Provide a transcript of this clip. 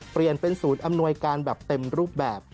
เปลี่ยนเป็นศูนย์อำนวยการแบบเต็มรูปแบบ